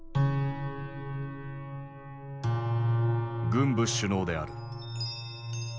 軍部首脳である。